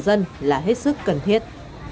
người dân là hết sức cần thiết